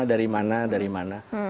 dari mana dari mana